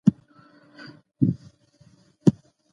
دا علم تر فلسفې اوس ډېر جلا دی.